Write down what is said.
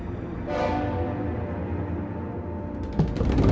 kebosokan pasti akan tercium juga